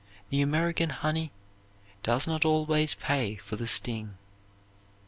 The American honey does not always pay for the sting.